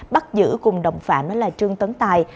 bắt giữ cùng đồng phạm trương tấn tài